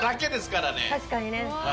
確かにね